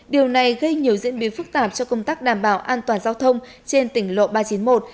điều này gây nhiều diễn biến phức tạp cho công tác đảm bảo an toàn giao thông trên tỉnh lộ ba trăm chín mươi một